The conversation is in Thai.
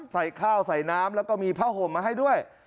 ใส่ข้าวใส่น้ำแล้วก็มีผ้าห่มมาให้ด้วย